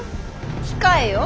控えよ。